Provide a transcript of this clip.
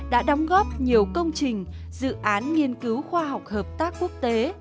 đã đóng góp nhiều công trình dự án nghiên cứu khoa học hợp tác quốc tế